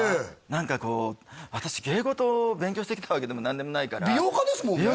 何かこう私芸事を勉強してきたわけでも何でもないから美容家ですもんね？